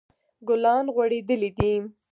ګلان غوړیدلی دي